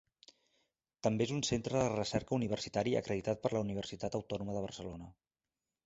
També és un centre de recerca universitari acreditat per la Universitat Autònoma de Barcelona.